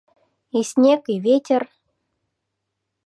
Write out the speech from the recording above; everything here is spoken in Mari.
И снег, и ветер